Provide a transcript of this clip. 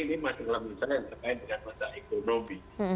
apalagi ini masalah misalnya yang terkait dengan masalah ekonomi